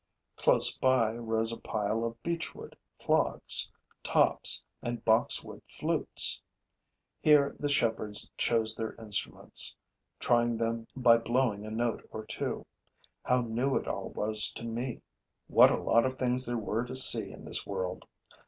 Close by rose a pile of beechwood clogs, tops and boxwood flutes. Here the shepherds chose their instruments, trying them by blowing a note or two. How new it all was to me! What a lot of things there were to see in this world!